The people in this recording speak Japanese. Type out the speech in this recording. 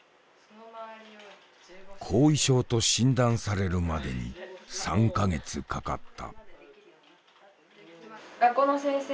後遺症と診断されるまでに３か月かかった。